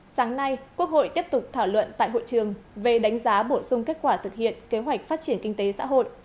sáng nay quốc hội tiếp tục thảo luận tại hội trường về đánh giá bổ sung kết quả thực hiện kế hoạch phát triển kinh tế xã hội